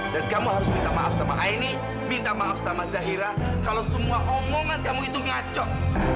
dan kamu harus minta maaf sama aini minta maaf sama zahira kalau semua omongan kamu itu ngacot